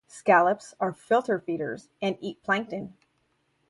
Scallops are filter feeders, and eat plankton.